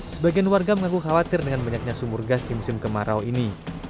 sebagian warga mengaku khawatir dengan banyaknya sumur gas di musim kemarau ini